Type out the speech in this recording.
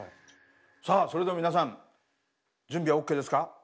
さあそれでは皆さん準備はＯＫですか？